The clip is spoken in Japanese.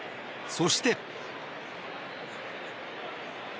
そして。